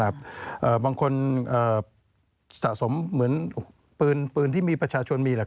บางคนสะสมเหมือนปืนที่มีประชาชนมี